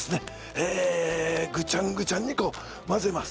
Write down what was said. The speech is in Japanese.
えぐちゃんぐちゃんにこう混ぜます